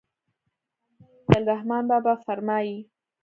په خندا يې وويل رحمان بابا فرمايي.